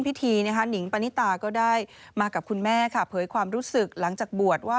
เมื่อเวลาวันนี้ออกไปแล้วชีวิตหนูจะมีความสุขและดีขึ้น